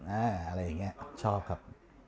อะไรอย่างนี้ชอบครับ